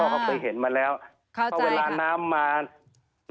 อ่าเขาเคยเห็นมาแล้วเพราะเวลาน้ำมาขอเข้าใจค่ะ